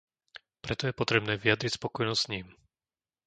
Preto je potrebné vyjadriť spokojnosť s ním.